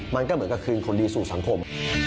มันก็เหมือนกับคืนคนดีสู่สังคม